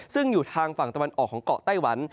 ซึ่งอยู่ทางฝั่งตะวันออกของเกาะไต้หวัน